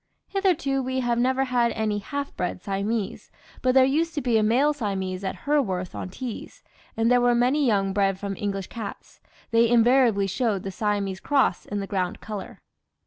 Hitherto we have never had any half bred Siamese; but there used to be a male Siamese at Hurworth on Tees, and there were many young bred from English cats. They invariably showed the Siamese cross in the ground colour."